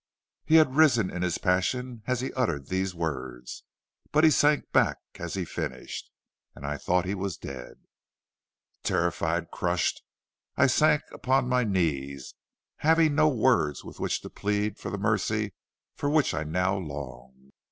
"He had risen in his passion as he uttered these words, but he sank back as he finished, and I thought he was dead. "Terrified, crushed, I sank upon my knees, having no words with which to plead for the mercy for which I now longed.